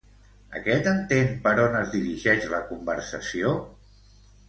Aquest entén per on es dirigeix la conversació?